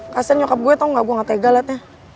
kasian nyokap gue tau gak gue gak tega lihatnya